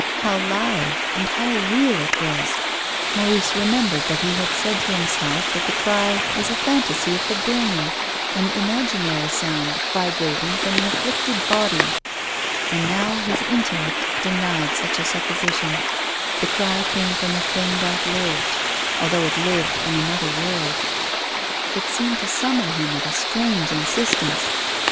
How live and how real it was ! Maurice re membered that he had said to himself that the cry was a phantasy of the brain, an imaginary sound vibrating from an afflicted body. And now his intellect denied such a supposition ; the cry came from a thing that lived, although it lived in an other world. It seemed to summon him with a strange insistence.